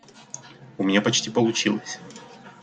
У меня почти получилось.